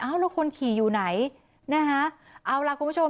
เอาแล้วคนขี่อยู่ไหนนะคะเอาล่ะคุณผู้ชม